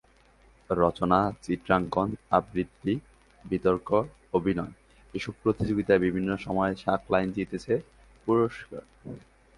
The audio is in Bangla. রচনা, চিত্রাঙ্কন, আবৃত্তি, বিতর্ক, অভিনয়—এসব প্রতিযোগিতায় বিভিন্ন সময় সাকলাইন জিতেছে পুরস্কার।